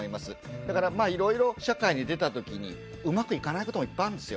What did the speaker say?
だからまあいろいろ社会に出たときにうまくいかないこともいっぱいあるんですよ。